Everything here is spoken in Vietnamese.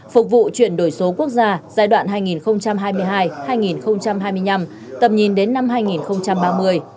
phục vụ chuyển đổi số quốc gia giai đoạn hai nghìn hai mươi hai hai nghìn hai mươi năm tầm nhìn đến năm hai nghìn ba mươi